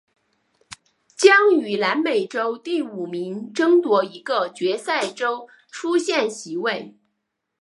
将与南美洲第五名争夺一个决赛周出线席位。